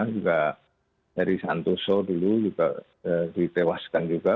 juga heri santoso dulu juga ditewaskan juga